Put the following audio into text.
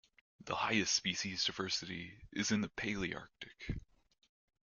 The highest species diversity is in the Palearctic.